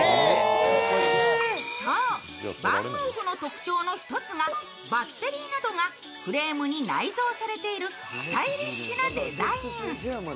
ＶａｎＭｏｏｆの特徴の一つがバッテリーなどがフレームに内蔵されているスタイリッシュなデザイン。